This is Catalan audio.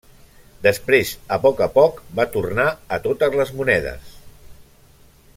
Després a poc a poc va tornar a totes les monedes.